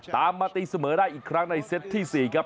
ตามมาตีเสมอได้อีกครั้งในเซตที่๔ครับ